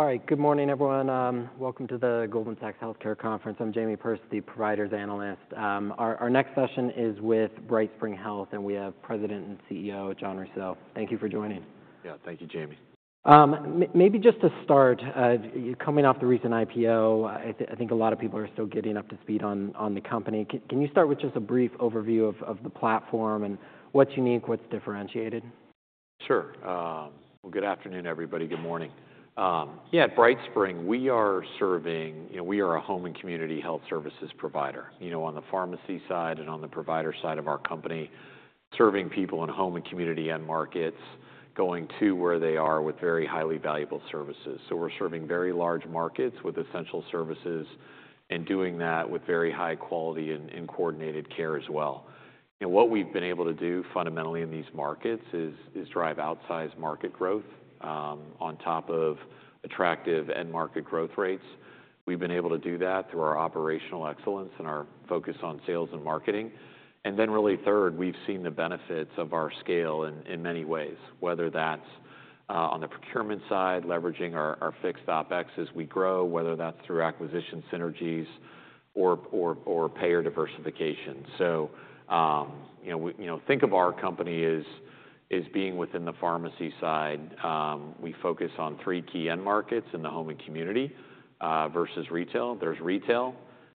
All right. Good morning, everyone. Welcome to the Goldman Sachs Healthcare Conference. I'm Jamie Perse, the providers analyst. Our next session is with BrightSpring Health, and we have President and CEO Jon Rousseau. Thank you for joining. Yeah. Thank you, Jamie. Maybe just to start, you're coming off the recent IPO. I think a lot of people are still getting up to speed on the company. Can you start with just a brief overview of the platform and what's unique, what's differentiated? Sure. Well, good afternoon, everybody. Good morning. Yeah, at BrightSpring, we are serving... You know, we are a home and community health services provider, you know, on the pharmacy side and on the provider side of our company, serving people in home and community end markets, going to where they are with very highly valuable services. So we're serving very large markets with essential services and doing that with very high quality and coordinated care as well. What we've been able to do fundamentally in these markets is drive outsized market growth on top of attractive end market growth rates. We've been able to do that through our operational excellence and our focus on sales and marketing. And then really third, we've seen the benefits of our scale in many ways, whether that's on the procurement side, leveraging our fixed OpEx as we grow, whether that's through acquisition synergies or payer diversification. So, you know, we—you know, think of our company as being within the pharmacy side. We focus on three key end markets in the home and community versus retail. There's retail,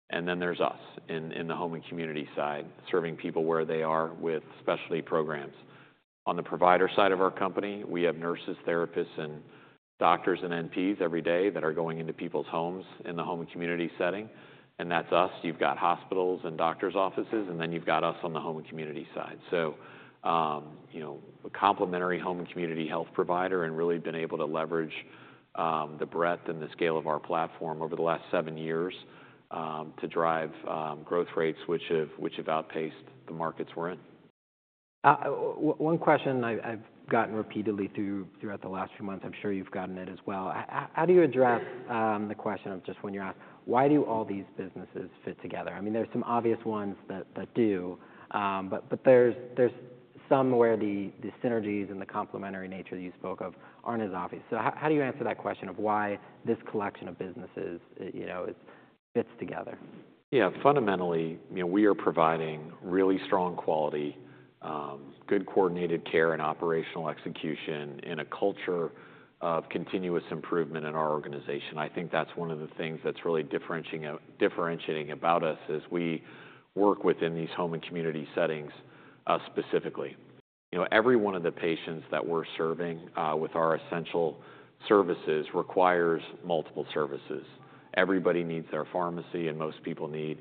and then there's us in the home and community side, serving people where they are with specialty programs. On the provider side of our company, we have nurses, therapists, and doctors, and NPs every day that are going into people's homes in the home and community setting, and that's us. You've got hospitals and doctor's offices, and then you've got us on the home and community side. So, you know, a complementary home and community health provider and really been able to leverage the breadth and the scale of our platform over the last seven years to drive growth rates, which have outpaced the markets we're in. One question I've gotten repeatedly throughout the last few months, I'm sure you've gotten it as well. How do you address the question of just when you're asked, "Why do all these businesses fit together?" I mean, there's some obvious ones that do, but there's some where the synergies and the complementary nature you spoke of aren't as obvious. So how do you answer that question of why this collection of businesses, you know, it fits together? Yeah. Fundamentally, you know, we are providing really strong quality, good coordinated care and operational execution in a culture of continuous improvement in our organization. I think that's one of the things that's really differentiating about us, is we work within these home and community settings, specifically. You know, every one of the patients that we're serving with our essential services requires multiple services. Everybody needs their pharmacy, and most people need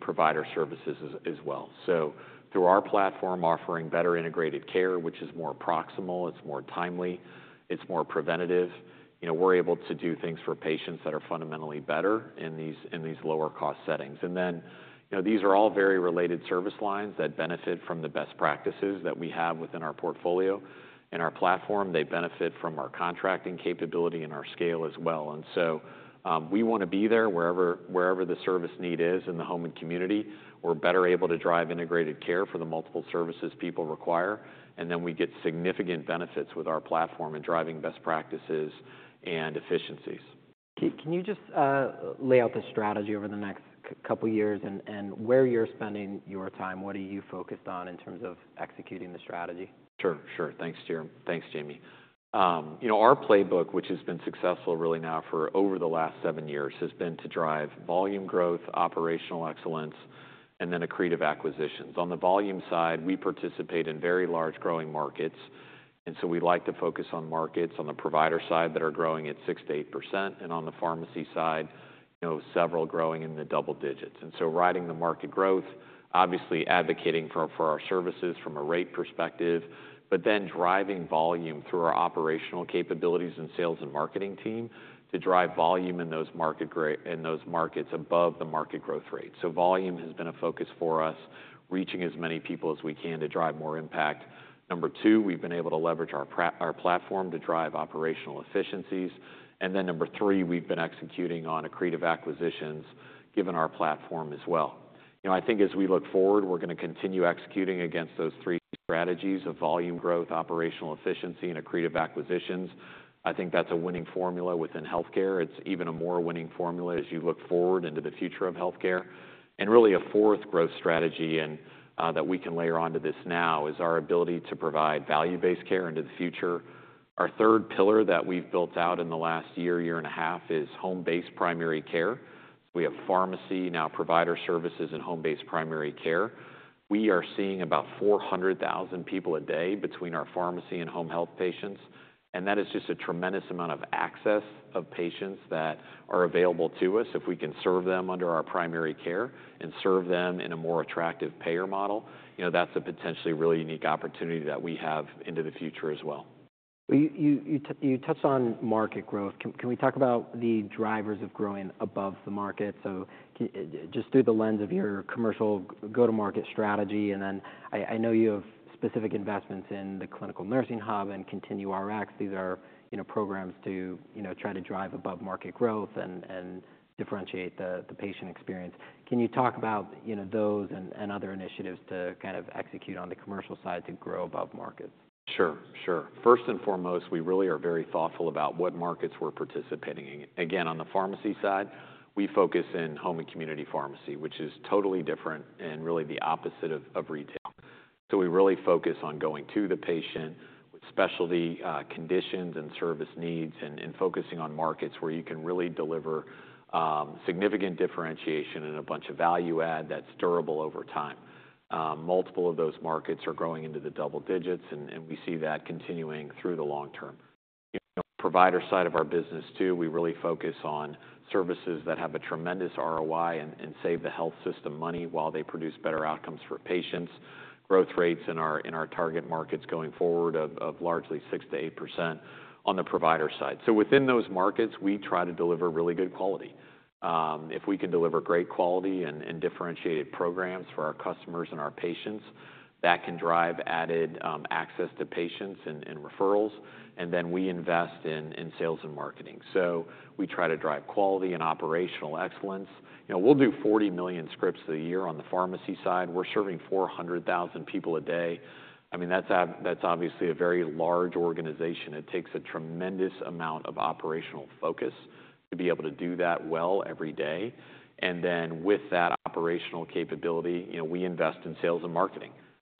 provider services as well. So through our platform, offering better integrated care, which is more proximal, it's more timely, it's more preventative, you know, we're able to do things for patients that are fundamentally better in these lower-cost settings. And then, you know, these are all very related service lines that benefit from the best practices that we have within our portfolio and our platform. They benefit from our contracting capability and our scale as well. And so, we wanna be there wherever, wherever the service need is in the home and community. We're better able to drive integrated care for the multiple services people require, and then we get significant benefits with our platform in driving best practices and efficiencies. Can you just lay out the strategy over the next couple years and where you're spending your time? What are you focused on in terms of executing the strategy? Sure, sure. Thanks, Jamie. You know, our playbook, which has been successful really now for over the last 7 years, has been to drive volume growth, operational excellence, and then accretive acquisitions. On the volume side, we participate in very large growing markets, and so we like to focus on markets on the provider side that are growing at 6%-8%, and on the pharmacy side, you know, several growing in the double digits. And so riding the market growth, obviously advocating for, for our services from a rate perspective, but then driving volume through our operational capabilities and sales and marketing team to drive volume in those markets above the market growth rate. So volume has been a focus for us, reaching as many people as we can to drive more impact. Number two, we've been able to leverage our platform to drive operational efficiencies. And then number three, we've been executing on accretive acquisitions, given our platform as well. You know, I think as we look forward, we're gonna continue executing against those three strategies of volume growth, operational efficiency, and accretive acquisitions. I think that's a winning formula within healthcare. It's even a more winning formula as you look forward into the future of healthcare. And really, a fourth growth strategy and that we can layer onto this now is our ability to provide value-based care into the future. Our third pillar that we've built out in the last year, year and a half, is home-based primary care. We have pharmacy, now provider services, and home-based primary care. We are seeing about 400,000 people a day between our pharmacy and home health patients, and that is just a tremendous amount of access of patients that are available to us. If we can serve them under our primary care and serve them in a more attractive payer model, you know, that's a potentially really unique opportunity that we have into the future as well. You touched on market growth. Can we talk about the drivers of growing above the market? So just through the lens of your commercial go-to-market strategy, and then I know you have specific investments in the Clinical Nursing Hub and ContinueCareRx. These are, you know, programs to, you know, try to drive above-market growth and differentiate the patient experience. Can you talk about, you know, those and other initiatives to kind of execute on the commercial side to grow above market? Sure, sure. First and foremost, we really are very thoughtful about what markets we're participating in. Again, on the pharmacy side, we focus in home and community pharmacy, which is totally different and really the opposite of retail. So we really focus on going to the patient with specialty conditions and service needs, and focusing on markets where you can really deliver significant differentiation and a bunch of value add that's durable over time. Multiple of those markets are growing into the double digits, and we see that continuing through the long term. Provider side of our business, too, we really focus on services that have a tremendous ROI and save the health system money while they produce better outcomes for patients. Growth rates in our target markets going forward of largely 6%-8% on the provider side. So within those markets, we try to deliver really good quality. If we can deliver great quality and, and differentiated programs for our customers and our patients, that can drive added, access to patients and, and referrals, and then we invest in, in sales and marketing. So we try to drive quality and operational excellence. You know, we'll do 40 million scripts a year on the pharmacy side. We're serving 400,000 people a day. I mean, that's obviously a very large organization. It takes a tremendous amount of operational focus to be able to do that well every day. And then with that operational capability, you know, we invest in sales and marketing.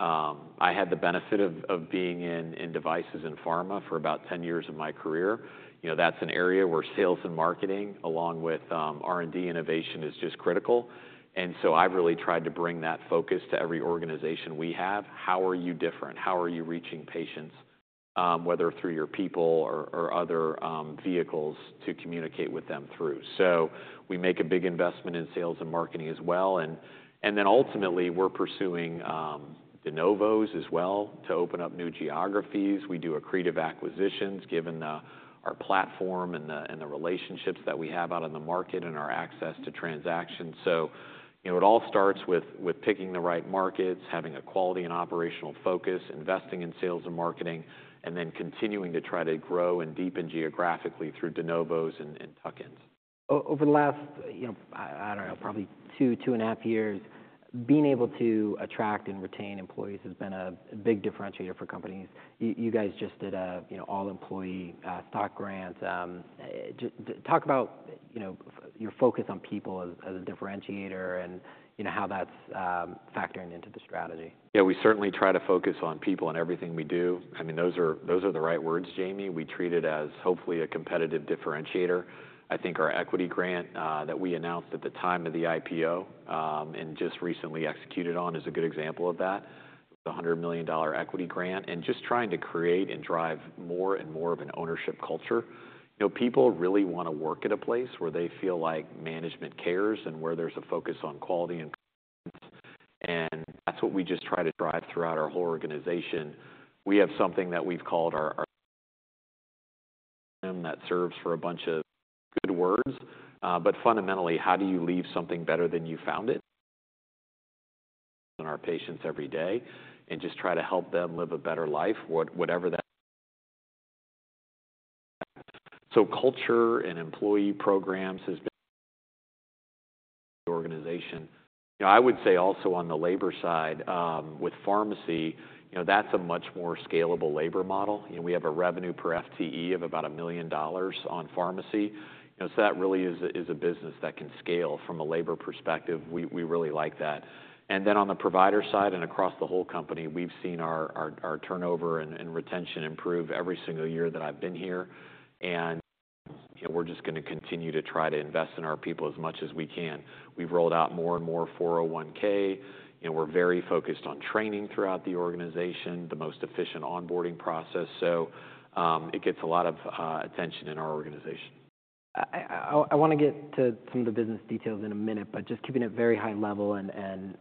I had the benefit of, of being in, in devices and pharma for about 10 years of my career. You know, that's an area where sales and marketing, along with, R&D innovation, is just critical. And so I've really tried to bring that focus to every organization we have. How are you different? How are you reaching patients, whether through your people or other, vehicles to communicate with them through? So we make a big investment in sales and marketing as well. And, and then ultimately, we're pursuing, de novos as well to open up new geographies. We do accretive acquisitions, given, our platform and the, and the relationships that we have out in the market and our access to transactions. So, you know, it all starts with, picking the right markets, having a quality and operational focus, investing in sales and marketing, and then continuing to try to grow and deepen geographically through de novos and, tuck-ins. Over the last, you know, I don't know, probably 2-2.5 years, being able to attract and retain employees has been a big differentiator for companies. You guys just did a, you know, all employee stock grant. Talk about, you know, your focus on people as a differentiator and, you know, how that's factoring into the strategy? Yeah, we certainly try to focus on people in everything we do. I mean, those are, those are the right words, Jamie. We treat it as, hopefully, a competitive differentiator. I think our equity grant that we announced at the time of the IPO and just recently executed on is a good example of that. It's a $100 million equity grant, and just trying to create and drive more and more of an ownership culture. You know, people really wanna work at a place where they feel like management cares and where there's a focus on quality and and that's what we just try to drive throughout our whole organization. We have something that we've called our LEGACY that stands for a bunch of good words, but fundamentally, how do you leave something better than you found it? And our patients every day, and just try to help them live a better life, whatever that... So culture and employee programs has been... the organization. You know, I would say also on the labor side, with pharmacy, you know, that's a much more scalable labor model, and we have a revenue per FTE of about $1 million on pharmacy. You know, so that really is a, is a business that can scale from a labor perspective. We, we really like that. And then on the provider side and across the whole company, we've seen our, our, our turnover and, and retention improve every single year that I've been here. And, you know, we're just gonna continue to try to invest in our people as much as we can. We've rolled out more and more 401(k), and we're very focused on training throughout the organization, the most efficient onboarding process. So, it gets a lot of attention in our organization. I wanna get to some of the business details in a minute, but just keeping it very high level and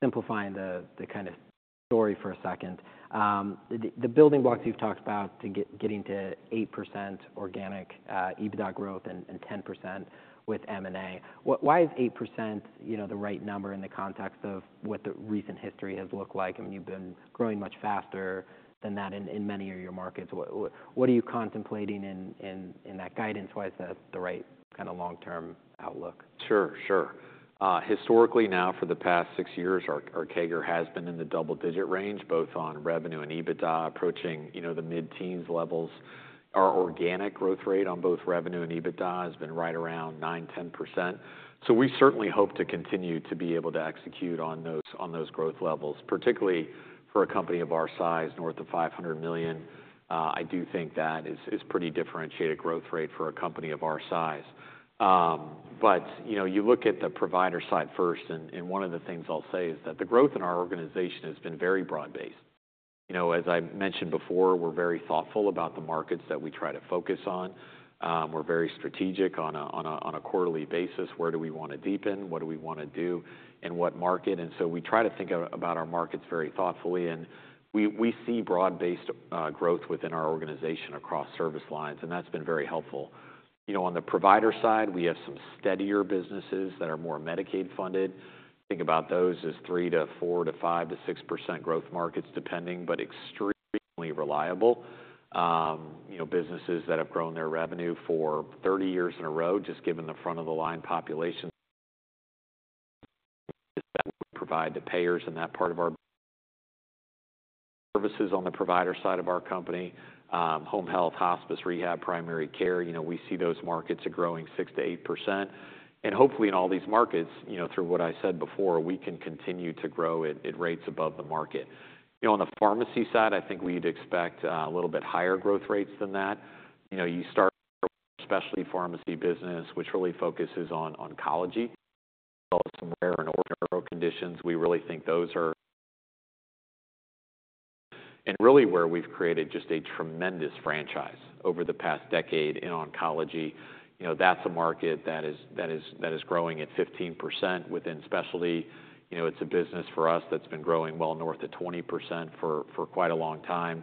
simplifying the kind of story for a second. The building blocks you've talked about to get to 8% organic EBITDA growth and 10% with M&A. Why is 8%, you know, the right number in the context of what the recent history has looked like? I mean, you've been growing much faster than that in many of your markets. What are you contemplating in that guidance? Why is that the right kind of long-term outlook? Sure, sure. Historically, now, for the past six years, our CAGR has been in the double-digit range, both on revenue and EBITDA, approaching, you know, the mid-teens levels. Our organic growth rate on both revenue and EBITDA has been right around 9%-10%. So we certainly hope to continue to be able to execute on those growth levels, particularly for a company of our size, north of $500 million. I do think that is pretty differentiated growth rate for a company of our size. But, you know, you look at the provider side first, and one of the things I'll say is that the growth in our organization has been very broad-based. You know, as I mentioned before, we're very thoughtful about the markets that we try to focus on. We're very strategic on a quarterly basis. Where do we wanna deepen? What do we wanna do, in what market? And so we try to think about our markets very thoughtfully, and we see broad-based growth within our organization across service lines, and that's been very helpful. You know, on the provider side, we have some steadier businesses that are more Medicaid-funded. Think about those as 3%-6% growth markets, depending, but extremely reliable. You know, businesses that have grown their revenue for 30 years in a row, just given the front-of-the-line population that we provide to payers in that part of our services on the provider side of our company, home health, hospice, rehab, primary care, you know, we see those markets are growing 6%-8%. Hopefully, in all these markets, you know, through what I said before, we can continue to grow at rates above the market. You know, on the pharmacy side, I think we'd expect a little bit higher growth rates than that. You know, you start specialty pharmacy business, which really focuses on oncology, and oral conditions. We really think those are and really where we've created just a tremendous franchise over the past decade in oncology. You know, that's a market that is growing at 15% within specialty. You know, it's a business for us that's been growing well north of 20% for quite a long time.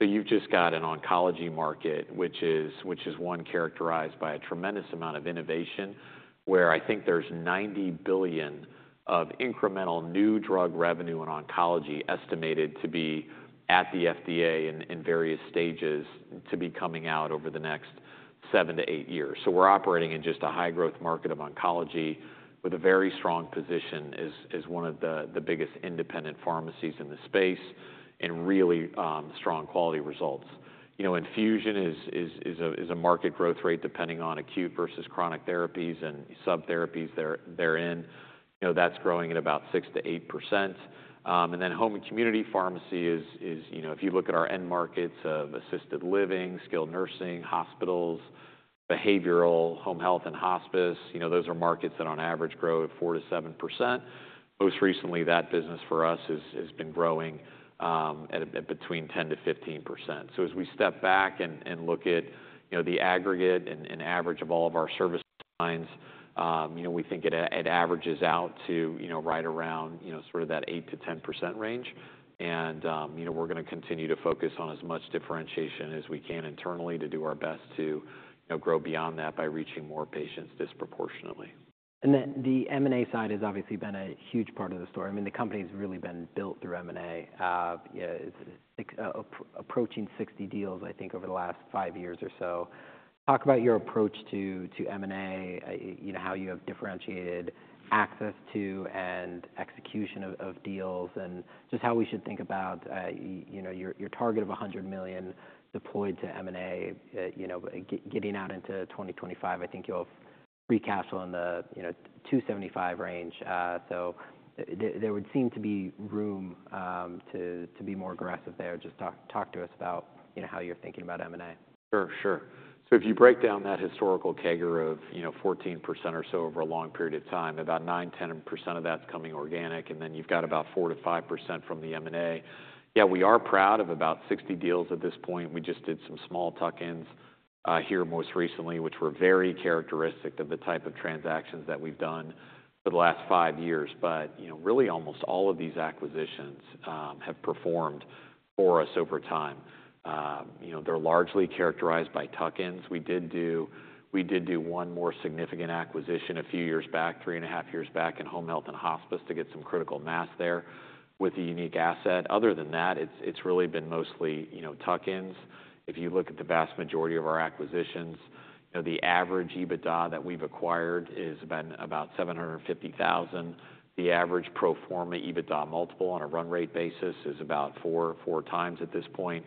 So you've just got an oncology market, which is one characterized by a tremendous amount of innovation, where I think there's $90 billion of incremental new drug revenue in oncology, estimated to be at the FDA in various stages, to be coming out over the next 7-8 years. So we're operating in just a high growth market of oncology with a very strong position, as one of the biggest independent pharmacies in the space, and really strong quality results. You know, infusion is a market growth rate, depending on acute versus chronic therapies and sub-therapies they're in. You know, that's growing at about 6%-8%. And then home and community pharmacy is, you know, if you look at our end markets of assisted living, skilled nursing, hospitals, behavioral, home health, and hospice, you know, those are markets that on average grow at 4%-7%. Most recently, that business for us has been growing at between 10%-15%. So as we step back and look at, you know, the aggregate and average of all of our service lines, you know, we think it averages out to, you know, right around, you know, sort of that 8%-10% range. And, you know, we're gonna continue to focus on as much differentiation as we can internally to do our best to, you know, grow beyond that by reaching more patients disproportionately. And then the M&A side has obviously been a huge part of the story. I mean, the company's really been built through M&A. Yeah, it's approaching 60 deals, I think, over the last five years or so. Talk about your approach to M&A, you know, how you have differentiated access to and execution of deals, and just how we should think about, you know, your target of $100 million deployed to M&A. You know, getting out into 2025, I think you'll recapitalize on the, you know, $275 range. So there would seem to be room to be more aggressive there. Just talk to us about, you know, how you're thinking about M&A. Sure, sure. So if you break down that historical CAGR of, you know, 14% or so over a long period of time, about 9%-10% of that's coming organic, and then you've got about 4%-5% from the M&A. Yeah, we are proud of about 60 deals at this point. We just did some small tuck-ins here most recently, which were very characteristic of the type of transactions that we've done for the last 5 years. But, you know, really almost all of these acquisitions have performed for us over time. You know, they're largely characterized by tuck-ins. We did do, we did do one more significant acquisition a few years back, 3.5 years back, in home health and hospice to get some critical mass there with a unique asset. Other than that, it's really been mostly, you know, tuck-ins. If you look at the vast majority of our acquisitions, you know, the average EBITDA that we've acquired has been about $750,000. The average pro forma EBITDA multiple on a run rate basis is about 4 times at this point.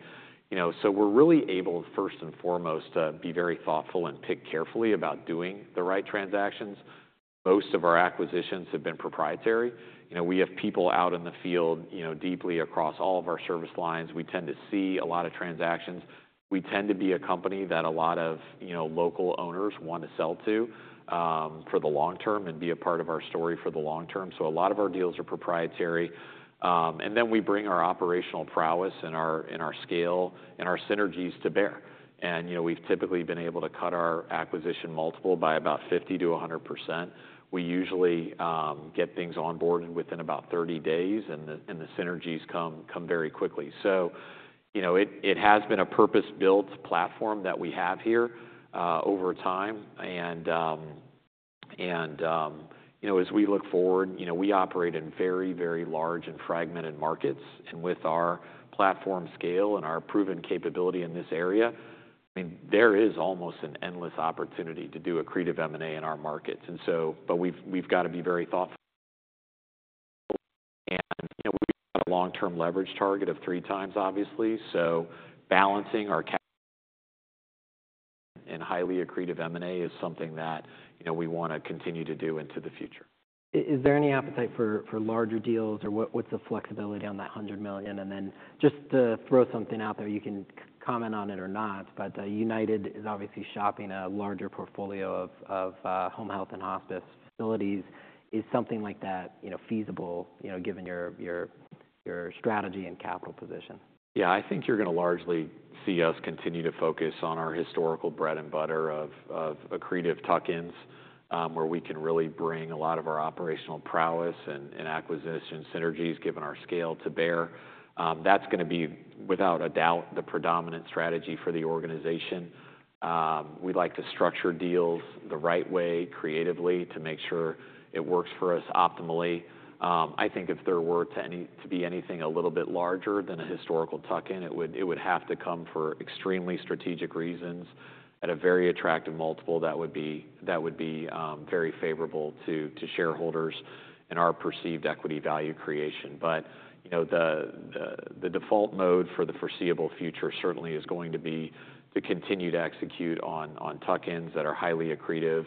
You know, so we're really able, first and foremost, to be very thoughtful and pick carefully about doing the right transactions. Most of our acquisitions have been proprietary. You know, we have people out in the field, you know, deeply across all of our service lines. We tend to see a lot of transactions. We tend to be a company that a lot of, you know, local owners want to sell to for the long term and be a part of our story for the long term. So a lot of our deals are proprietary. And then we bring our operational prowess and our scale, and our synergies to bear. And, you know, we've typically been able to cut our acquisition multiple by about 50%-100%. We usually get things on board within about 30 days, and the synergies come very quickly. So you know, it has been a purpose-built platform that we have here over time. And you know, as we look forward, you know, we operate in very, very large and fragmented markets. And with our platform scale and our proven capability in this area, I mean, there is almost an endless opportunity to do accretive M&A in our markets. And so, but we've got to be very thoughtful. You know, we've got a long-term leverage target of 3x, obviously. So balancing our capital and highly accretive M&A is something that, you know, we want to continue to do into the future. Is there any appetite for larger deals, or what's the flexibility on that $100 million? And then just to throw something out there, you can comment on it or not, but United is obviously shopping a larger portfolio of home health and hospice facilities. Is something like that, you know, feasible, you know, given your strategy and capital position? Yeah, I think you're gonna largely see us continue to focus on our historical bread and butter of accretive tuck-ins, where we can really bring a lot of our operational prowess and acquisition synergies, given our scale to bear. That's gonna be, without a doubt, the predominant strategy for the organization. We like to structure deals the right way, creatively, to make sure it works for us optimally. I think if there were to be anything a little bit larger than a historical tuck-in, it would have to come for extremely strategic reasons at a very attractive multiple that would be very favorable to shareholders and our perceived equity value creation. But, you know, the default mode for the foreseeable future certainly is going to be to continue to execute on tuck-ins that are highly accretive.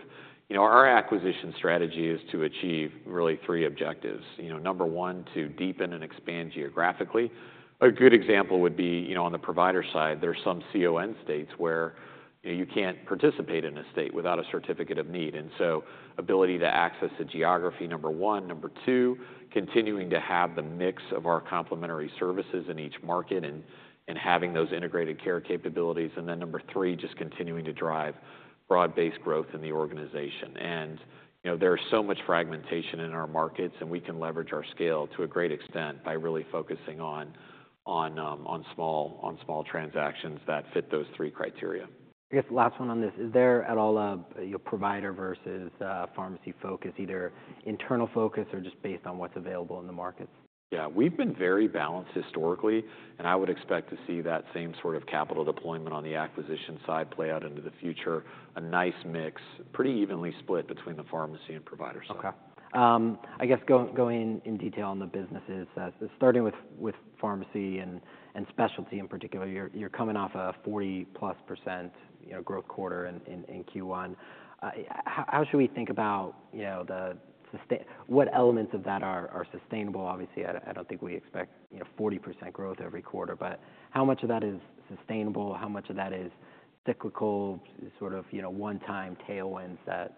You know, our acquisition strategy is to achieve really three objectives. You know, number one, to deepen and expand geographically. A good example would be, you know, on the provider side, there are some CON states where, you know, you can't participate in a state without a Certificate of Need, and so ability to access the geography, number one. Number two, continuing to have the mix of our complementary services in each market and having those integrated care capabilities. And then, number three, just continuing to drive broad-based growth in the organization. You know, there is so much fragmentation in our markets, and we can leverage our scale to a great extent by really focusing on small transactions that fit those three criteria. I guess last one on this, is there at all a, you know, provider versus, pharmacy focus, either internal focus or just based on what's available in the market? Yeah, we've been very balanced historically, and I would expect to see that same sort of capital deployment on the acquisition side play out into the future. A nice mix, pretty evenly split between the pharmacy and provider side. Okay. I guess going in detail on the businesses, starting with pharmacy and specialty in particular, you're coming off a 40+% growth quarter in Q1. How should we think about, you know, the sustainability—what elements of that are sustainable? Obviously, I don't think we expect, you know, 40% growth every quarter, but how much of that is sustainable? How much of that is cyclical, sort of, you know, one-time tailwinds that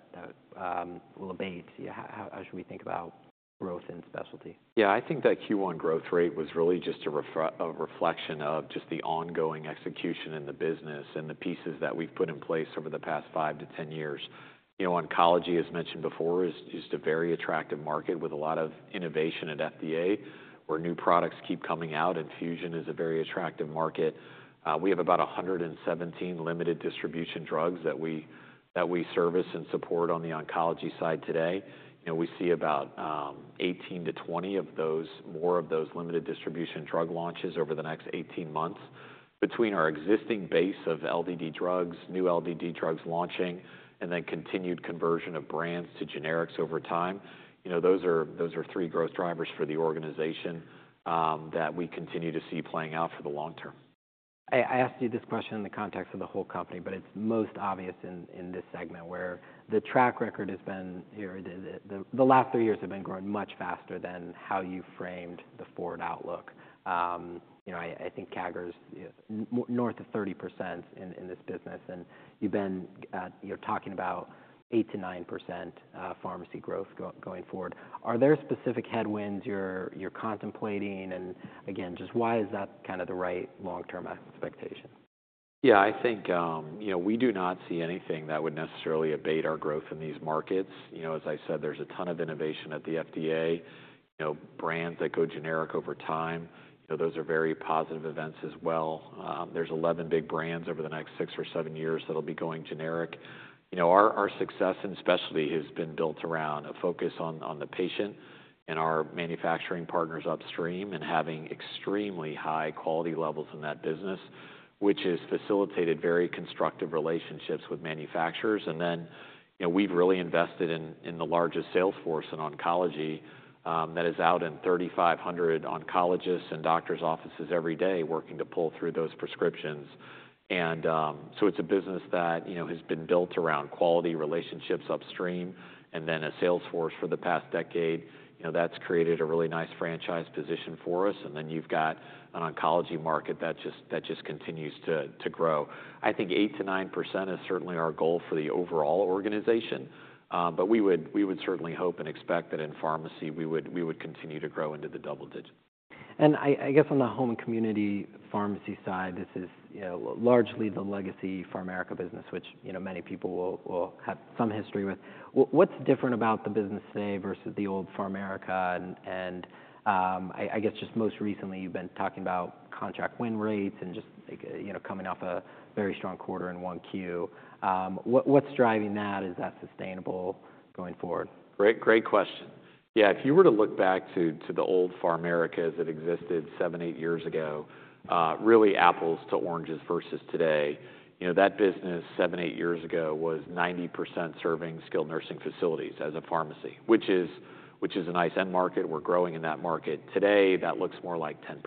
will abate? How should we think about growth in specialty? Yeah, I think that Q1 growth rate was really just a reflection of just the ongoing execution in the business and the pieces that we've put in place over the past 5-10 years. You know, oncology, as mentioned before, is a very attractive market with a lot of innovation at FDA, where new products keep coming out, infusion is a very attractive market. We have about 117 limited distribution drugs that we service and support on the oncology side today, and we see about 18-20 of those-- more of those limited distribution drug launches over the next 18 months. Between our existing base of LDD drugs, new LDD drugs launching, and then continued conversion of brands to generics over time, you know, those are, those are three growth drivers for the organization, that we continue to see playing out for the long term. I asked you this question in the context of the whole company, but it's most obvious in this segment, where the track record has been here. The last three years have been growing much faster than how you framed the forward outlook. You know, I think CAGR is north of 30% in this business, and you're talking about 8%-9% pharmacy growth going forward. Are there specific headwinds you're contemplating? And again, just why is that kind of the right long-term expectation? Yeah, I think, you know, we do not see anything that would necessarily abate our growth in these markets. You know, as I said, there's a ton of innovation at the FDA. You know, brands that go generic over time, you know, those are very positive events as well. There's 11 big brands over the next 6 or 7 years that'll be going generic. You know, our, our success in specialty has been built around a focus on, on the patient and our manufacturing partners upstream, and having extremely high quality levels in that business, which has facilitated very constructive relationships with manufacturers. And then, you know, we've really invested in, in the largest sales force in oncology, that is out in 3,500 oncologists and doctors' offices every day, working to pull through those prescriptions. So it's a business that, you know, has been built around quality relationships upstream, and then a sales force for the past decade, you know, that's created a really nice franchise position for us. And then you've got an oncology market that just continues to grow. I think 8%-9% is certainly our goal for the overall organization, but we would certainly hope and expect that in pharmacy, we would continue to grow into the double digits. I guess on the home and community pharmacy side, this is, you know, largely the legacy PharMerica business, which, you know, many people will have some history with. What's different about the business today versus the old PharMerica? I guess just most recently, you've been talking about contract win rates and just, you know, coming off a very strong quarter in 1Q. What's driving that? Is that sustainable going forward? Great, great question. Yeah, if you were to look back to the old PharMerica as it existed 7, 8 years ago, really apples to oranges versus today. You know, that business, 7, 8 years ago, was 90% serving skilled nursing facilities as a pharmacy, which is a nice end market. We're growing in that market. Today, that looks more like 10%.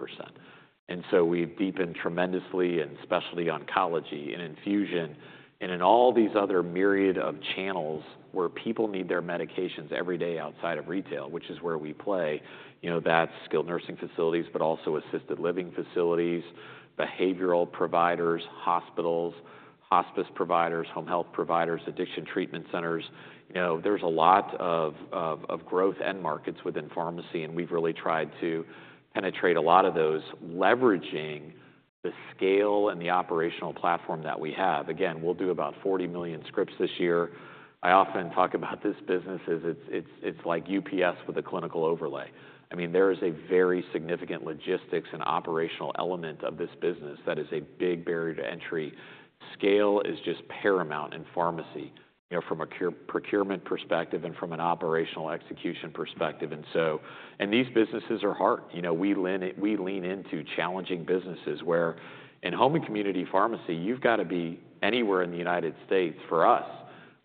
And so we've deepened tremendously in specialty oncology and infusion and in all these other myriad of channels where people need their medications every day outside of retail, which is where we play. You know, that's skilled nursing facilities, but also assisted living facilities, behavioral providers, hospitals, hospice providers, home health providers, addiction treatment centers. You know, there's a lot of growth end markets within pharmacy, and we've really tried to penetrate a lot of those, leveraging the scale and the operational platform that we have. Again, we'll do about 40 million scripts this year. I often talk about this business as it's like UPS with a clinical overlay. I mean, there is a very significant logistics and operational element of this business that is a big barrier to entry. Scale is just paramount in pharmacy, you know, from a procurement perspective and from an operational execution perspective. And these businesses are hard. You know, we lean into challenging businesses, where in home and community pharmacy, you've got to be anywhere in the United States, for us,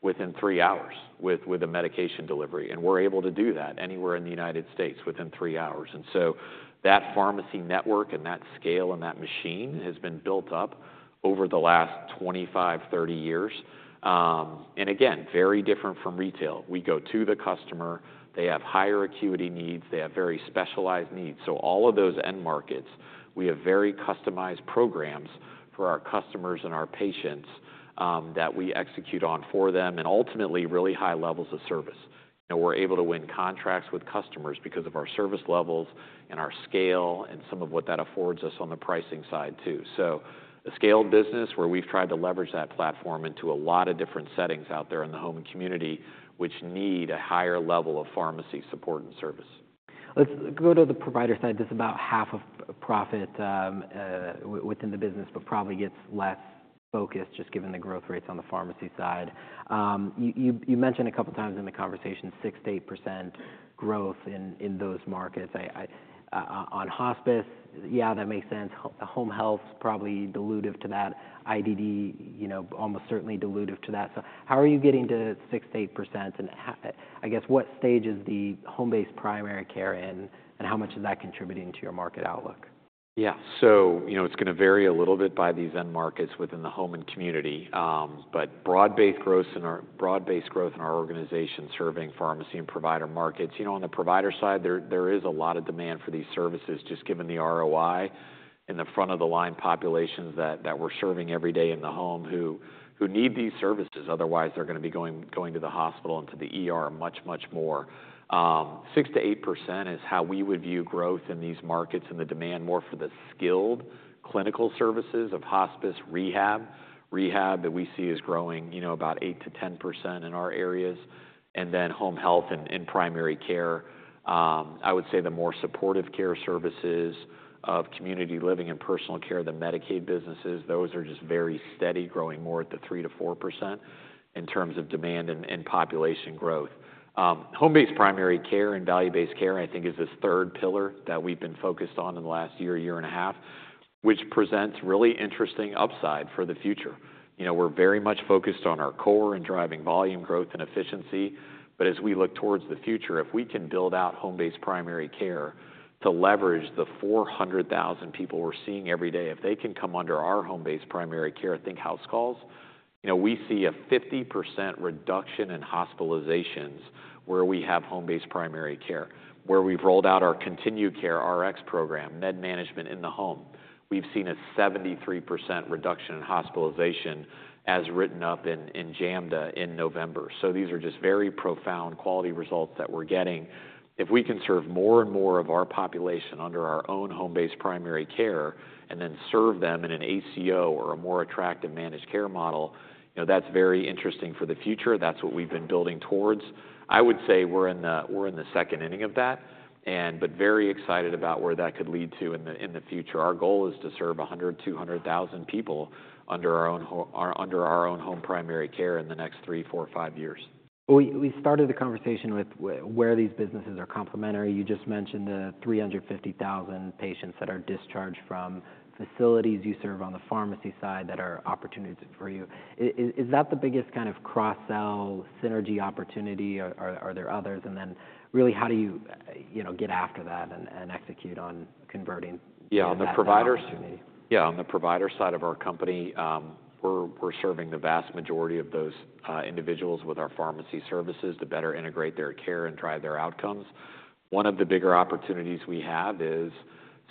within 3 hours with a medication delivery, and we're able to do that anywhere in the United States within 3 hours. And so that pharmacy network, and that scale, and that machine has been built up over the last 25, 30 years. And again, very different from retail. We go to the customer. They have higher acuity needs. They have very specialized needs. So all of those end markets, we have very customized programs for our customers and our patients, that we execute on for them, and ultimately, really high levels of service. And we're able to win contracts with customers because of our service levels, and our scale, and some of what that affords us on the pricing side, too. A scaled business, where we've tried to leverage that platform into a lot of different settings out there in the home and community, which need a higher level of pharmacy support and service. Let's go to the provider side. This is about half of profit within the business, but probably gets less focus, just given the growth rates on the pharmacy side. You mentioned a couple times in the conversation, 6%-8% growth in those markets. On hospice, yeah, that makes sense. Home health, probably dilutive to that. IDD, you know, almost certainly dilutive to that. So how are you getting to 6%-8%, and I guess, what stage is the home-based primary care in, and how much is that contributing to your market outlook? Yeah. So, you know, it's gonna vary a little bit by these end markets within the home and community, but broad-based growth in our organization serving pharmacy and provider markets, you know, on the provider side, there is a lot of demand for these services, just given the ROI in the front-of-the-line populations that we're serving every day in the home, who need these services. Otherwise, they're gonna be going to the hospital and to the ER much more. 6%-8% is how we would view growth in these markets and the demand more for the skilled clinical services of hospice rehab. Rehab that we see is growing, you know, about 8%-10% in our areas, and then home health and primary care. I would say the more supportive care services of community living and personal care, the Medicaid businesses, those are just very steady, growing more at the 3%-4% in terms of demand and population growth. Home-based primary care and value-based care, I think, is this third pillar that we've been focused on in the last year, year and a half, which presents really interesting upside for the future. You know, we're very much focused on our core and driving volume growth and efficiency, but as we look towards the future, if we can build out home-based primary care to leverage the 400,000 people we're seeing every day, if they can come under our home-based primary care, think house calls, you know, we see a 50% reduction in hospitalizations where we have home-based primary care, where we've rolled out our ContinueCare Rx program, med management in the home. We've seen a 73% reduction in hospitalization, as written up in JAMDA in November. So these are just very profound quality results that we're getting. If we can serve more and more of our population under our own home-based primary care, and then serve them in an ACO or a more attractive managed care model, you know, that's very interesting for the future. That's what we've been building towards. I would say we're in the, we're in the second inning of that, and but very excited about where that could lead to in the, in the future. Our goal is to serve 100-200,000 people under our own ho-- under our own home primary care in the next 3-5 years. We started the conversation with where these businesses are complementary. You just mentioned the 350,000 patients that are discharged from facilities you serve on the pharmacy side, that are opportunities for you. Is that the biggest kind of cross-sell synergy opportunity, or are there others? And then, really, how do you, you know, get after that and execute on converting- Yeah, on the provider- - opportunity? Yeah, on the provider side of our company, we're serving the vast majority of those individuals with our pharmacy services to better integrate their care and drive their outcomes. One of the bigger opportunities we have is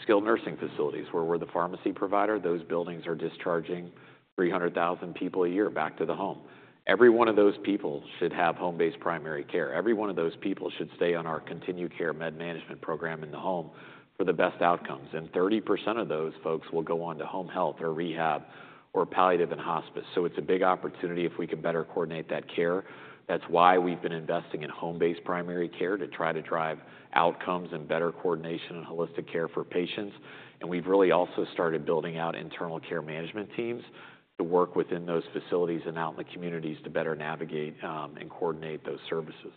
skilled nursing facilities, where we're the pharmacy provider. Those buildings are discharging 300,000 people a year back to the home. Every one of those people should have home-based primary care. Every one of those people should stay on our ContinueCare med management program in the home for the best outcomes, and 30% of those folks will go on to home health, or rehab, or palliative and hospice. So it's a big opportunity if we can better coordinate that care. That's why we've been investing in home-based primary care, to try to drive outcomes and better coordination and holistic care for patients, and we've really also started building out internal care management teams to work within those facilities and out in the communities, to better navigate, and coordinate those services.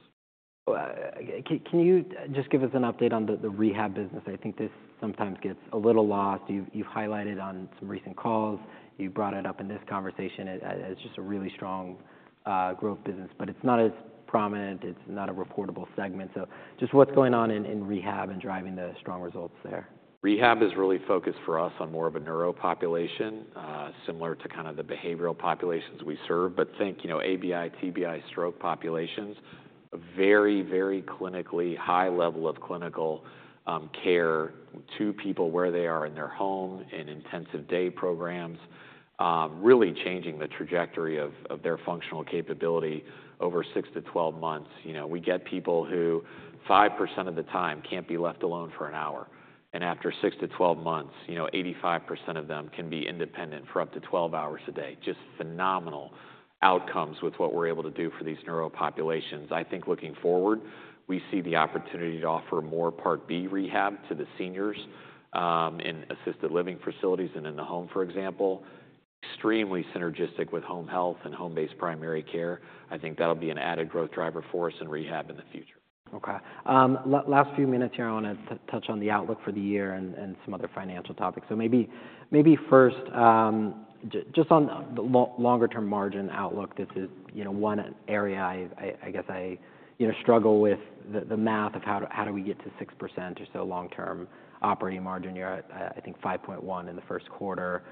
Can you just give us an update on the rehab business? I think this sometimes gets a little lost. You've highlighted on some recent calls, you've brought it up in this conversation. It's just a really strong growth business, but it's not as prominent. It's not a reportable segment, so just what's going on in rehab and driving the strong results there? Rehab is really focused for us on more of a neuro population, similar to kind of the behavioral populations we serve, but think, you know, ABI, TBI, stroke populations. A very, very clinically high level of clinical care to people where they are in their home, in intensive day programs, really changing the trajectory of their functional capability over 6-12 months. You know, we get people who 5% of the time can't be left alone for an hour, and after 6-12 months, you know, 85% of them can be independent for up to 12 hours a day. Just phenomenal outcomes with what we're able to do for these neuro populations. I think looking forward, we see the opportunity to offer more Part B rehab to the seniors, in assisted living facilities and in the home, for example, extremely synergistic with home health and home-based primary care. I think that'll be an added growth driver for us in rehab in the future. Okay. Last few minutes here, I want to touch on the outlook for the year and some other financial topics. So maybe first, just on the longer-term margin outlook, this is, you know, one area I guess I, you know, struggle with the math of how do we get to 6% or so long-term operating margin? You're at, I think 5.1 in the first quarter.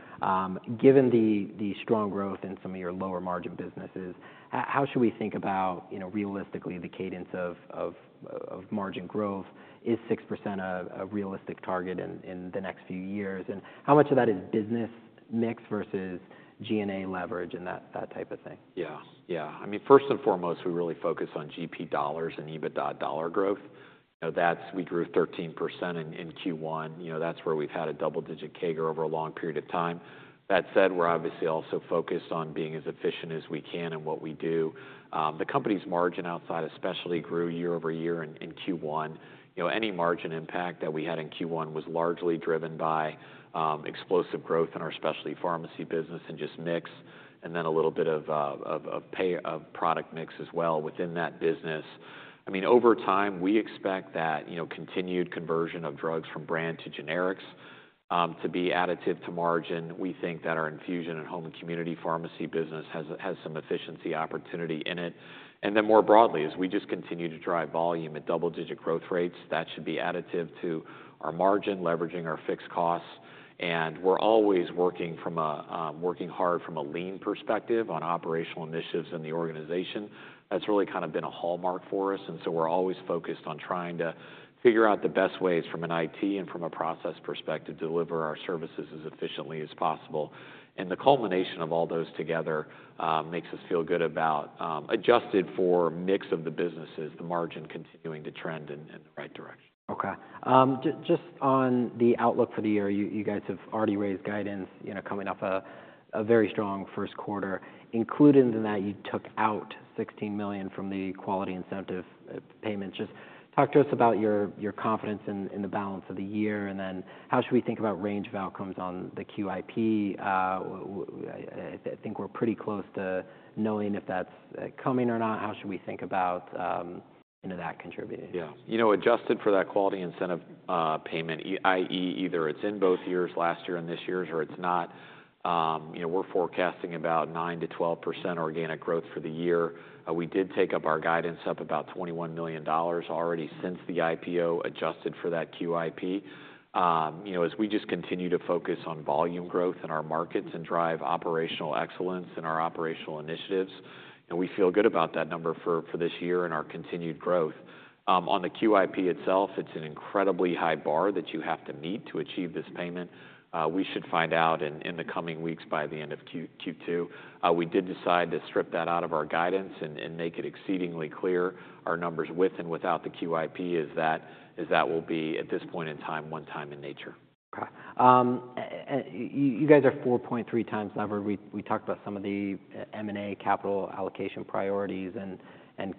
Given the strong growth in some of your lower margin businesses, how should we think about, you know, realistically, the cadence of margin growth? Is 6% a realistic target in the next few years? And how much of that is business mix versus G&A leverage and that type of thing? Yeah. Yeah. I mean, first and foremost, we really focus on GP dollars and EBITDA dollar growth. You know, that's. We grew 13% in Q1. You know, that's where we've had a double-digit CAGR over a long period of time. That said, we're obviously also focused on being as efficient as we can in what we do. The company's margin outside especially grew year-over-year in Q1. You know, any margin impact that we had in Q1 was largely driven by explosive growth in our specialty pharmacy business and just mix, and then a little bit of product mix as well within that business. I mean, over time, we expect that, you know, continued conversion of drugs from brand to generics to be additive to margin. We think that our infusion at home and community pharmacy business has some efficiency opportunity in it. And then more broadly, as we just continue to drive volume at double-digit growth rates, that should be additive to our margin, leveraging our fixed costs, and we're always working hard from a lean perspective on operational initiatives in the organization. That's really kind of been a hallmark for us, and so we're always focused on trying to figure out the best ways from an IT and from a process perspective, to deliver our services as efficiently as possible. And the culmination of all those together makes us feel good about adjusted for mix of the businesses, the margin continuing to trend in the right direction. Okay. Just on the outlook for the year, you guys have already raised guidance, you know, coming off a very strong first quarter. Included in that, you took out $16 million from the quality incentive payments. Just talk to us about your confidence in the balance of the year, and then how should we think about range of outcomes on the QIP? I think we're pretty close to knowing if that's coming or not. How should we think about, you know, that contributing? Yeah. You know, adjusted for that quality incentive payment, i.e., either it's in both years, last year and this year's, or it's not, you know, we're forecasting about 9%-12% organic growth for the year. We did take up our guidance up about $21 million already since the IPO, adjusted for that QIP. You know, as we just continue to focus on volume growth in our markets and drive operational excellence in our operational initiatives, and we feel good about that number for this year and our continued growth. On the QIP itself, it's an incredibly high bar that you have to meet to achieve this payment. We should find out in the coming weeks, by the end of Q2. We did decide to strip that out of our guidance and make it exceedingly clear our numbers with and without the QIP. That will be, at this point in time, one time in nature. Okay. You guys are 4.3 times lever. We talked about some of the M&A capital allocation priorities and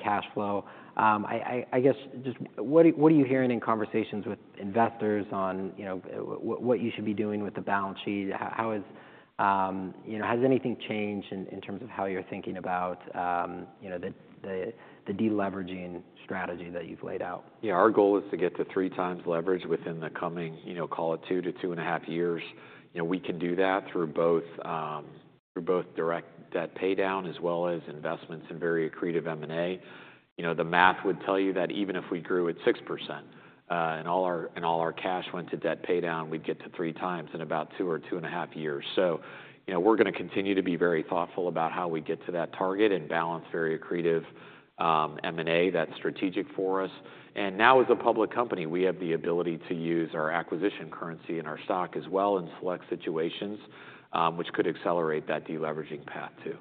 cash flow. I guess just what are you hearing in conversations with investors on, you know, what you should be doing with the balance sheet? How is, you know, has anything changed in terms of how you're thinking about, you know, the deleveraging strategy that you've laid out? Yeah, our goal is to get to 3x leverage within the coming, you know, call it 2-2.5 years. You know, we can do that through both, through both direct debt paydown as well as investments in very accretive M&A. You know, the math would tell you that even if we grew at 6%, and all our cash went to debt paydown, we'd get to 3x in about 2-2.5 years. So, you know, we're gonna continue to be very thoughtful about how we get to that target and balance very accretive M&A that's strategic for us. And now, as a public company, we have the ability to use our acquisition currency and our stock as well in select situations, which could accelerate that deleveraging path, too.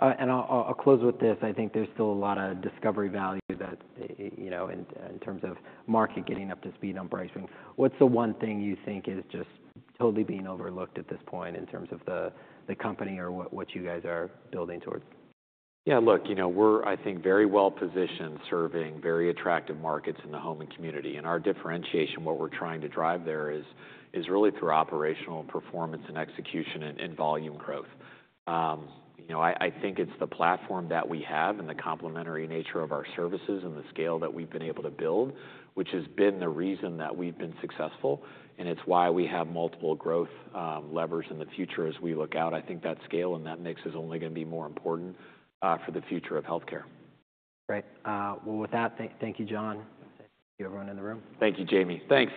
And I'll close with this. I think there's still a lot of discovery value that, you know, in terms of market getting up to speed on BrightSpring. What's the one thing you think is just totally being overlooked at this point in terms of the company or what you guys are building towards? Yeah, look, you know, we're, I think, very well-positioned, serving very attractive markets in the home and community, and our differentiation, what we're trying to drive there is really through operational performance and execution and volume growth. You know, I think it's the platform that we have and the complementary nature of our services and the scale that we've been able to build, which has been the reason that we've been successful, and it's why we have multiple growth levers in the future as we look out. I think that scale and that mix is only gonna be more important for the future of healthcare. Great. Well, with that, thank you, Jon. Everyone in the room. Thank you, Jamie. Thanks.